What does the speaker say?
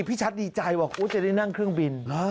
พี่ชัดดีใจกว่ากูจะได้นั่งเครื่องบิน